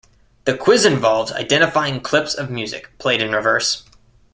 The quiz involves identifying clips of music played in reverse.